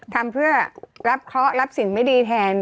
ทำเพื่อรับเคาะรับสิ่งไม่ดีแทน